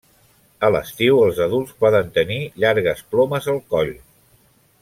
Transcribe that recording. A l'estiu, els adults poden tenir llargues plomes al coll.